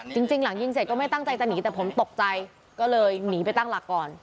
จริงหลังยิงเสร็จก็ไม่ตั้งใจจะหนีแต่ผมตกใจก็เลยหนีไปตั้งหลักก่อน